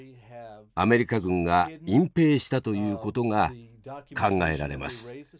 アメリカ軍が隠蔽したということが考えられます。